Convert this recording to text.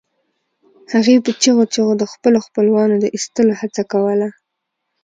هغې په چیغو چیغو د خپلو خپلوانو د ایستلو هڅه کوله